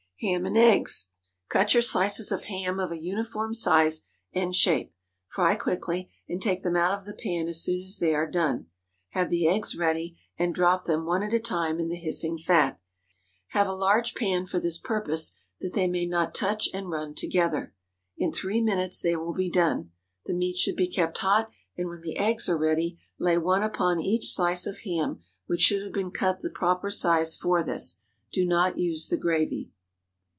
HAM AND EGGS. Cut your slices of ham of a uniform size and shape. Fry quickly, and take them out of the pan as soon as they are done. Have the eggs ready, and drop them, one at a time, in the hissing fat. Have a large pan for this purpose, that they may not touch and run together. In three minutes they will be done. The meat should be kept hot, and when the eggs are ready, lay one upon each slice of ham, which should have been cut the proper size for this. Do not use the gravy.